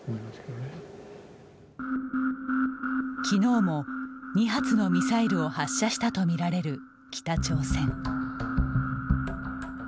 きのうも、２発のミサイルを発射したと見られる北朝鮮。